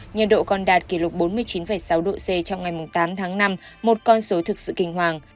nhiệt độ còn đạt kỷ lục bốn mươi chín sáu độ c trong ngày tám tháng năm một con số thực sự kinh hoàng